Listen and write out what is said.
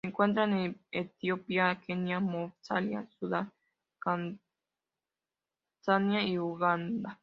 Se encuentra en Etiopía, Kenia, Somalia, Sudán, Tanzania y Uganda.